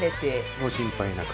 ご心配なく。